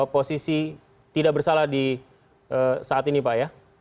posisi tidak bersalah di saat ini pak ya